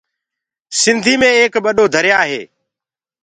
سنڌي مي ايڪ ٻڏو دريآ هي۔